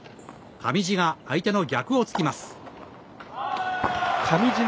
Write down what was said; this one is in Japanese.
上地が相手の逆を突きます。